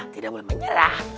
tidak boleh menyerah